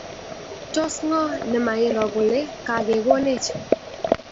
Tos ng'o ne mairo kole kagegonech?